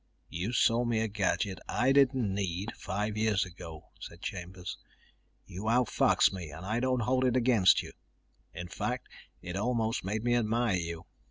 "You sold me a gadget I didn't need five years ago," said Chambers. "You outfoxed me and I don't hold it against you. In fact, it almost made me admire you.